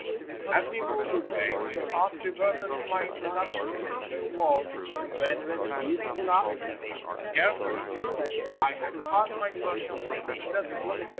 As we moved away, my thoughts reverted to my in troduction to this new world, when on a beautiful after noon, scarce a week ago, I had caught my first gUmpse of the desert.